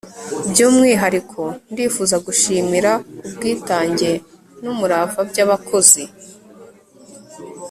by'umwihariko ndifuza gushimira ubwitange n'umurava by'abakozi